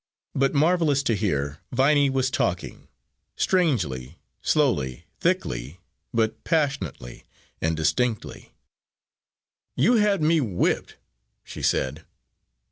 But marvellous to hear, Viney was talking, strangely, slowly, thickly, but passionately and distinctly. "You had me whipped," she said.